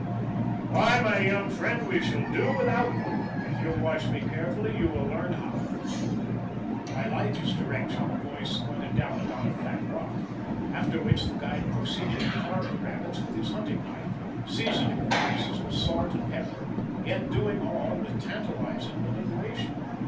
"Why, my young friend, we shall do without them. If you'll watch me carefully you will learn how." By Lige's direction, the boys squatted down about a flat rock, after which the guide proceeded to carve the rabbits with his hunting knife, seasoning the pieces with salt and pepper, yet doing all with tantalizing deliberation.